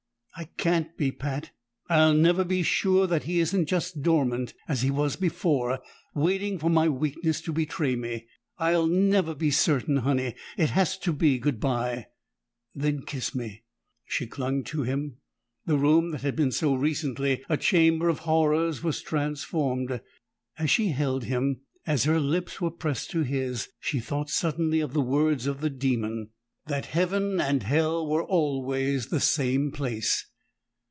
"I can't be, Pat! I'll never be sure that he isn't just dormant, as he was before, waiting for my weakness to betray me! I'll never be certain, Honey! It has to be good bye!" "Then kiss me!" She clung to him; the room that had been so recently a chamber of horrors was transformed. As she held him, as her lips were pressed to his, she thought suddenly of the words of the demon, that Heaven and Hell were always the same place.